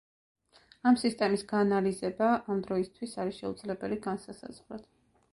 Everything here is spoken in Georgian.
ამ სისტემის გაანალიზება ამ დროისთვის არის შეუძლებელი განსასაზღვრად.